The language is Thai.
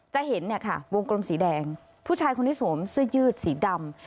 จะเห็นเนี่ยค่ะวงกลมสีแดงผู้ชายคนนี้สวมเสื้อยืดสีดำ